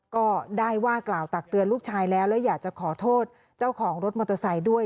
ก็ได้ว่ากล่าวตักเตือนลูกชายแล้วแล้วอยากจะขอโทษเจ้าของรถมอเตอร์ไซค์ด้วย